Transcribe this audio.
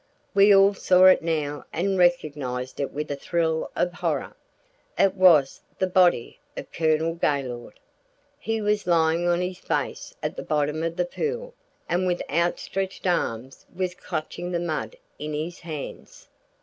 We all saw it now and recognized it with a thrill of horror. It was the body of Colonel Gaylord. He was lying on his face at the bottom of the pool, and with outstretched arms was clutching the mud in his hands.